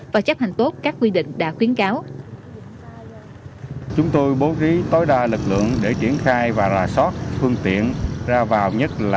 và chấp hành tốt các quy định đã khuyến cáo